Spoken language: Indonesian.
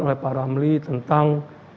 oleh pak ramli tentang